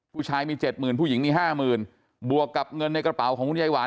ผู้ชายมี๗๐๐๐๐ผู้หญิงมี๕๐๐๐๐บวกกับเงินในกระเป๋าของคุณยายหวาน